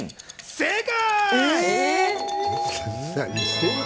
正解！